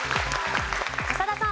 長田さん。